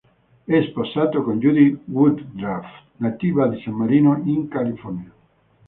È sposato con Judy Woodruff, nativa di San Marino in California.